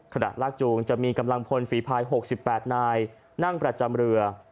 ลากจูงจะมีกำลังพลฝีภาย๖๘นายนั่งประจำเรือ